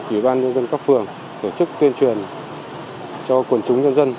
ủy ban nhân dân các phường tổ chức tuyên truyền cho quần chúng nhân dân